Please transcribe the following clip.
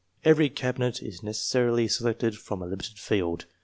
Every Cabinet is necessarily selected from a limited field.